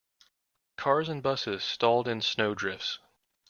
Cars and busses stalled in snow drifts.